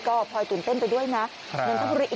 อำเภอไซน้อยจังหวัดนนทบุรี